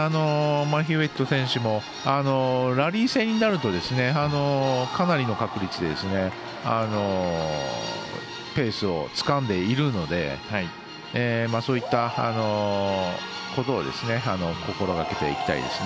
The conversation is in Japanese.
ヒューウェット選手もラリー戦になるとかなりの確率でペースをつかんでいるのでそういったことを心がけていきたいですね。